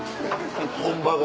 本場が？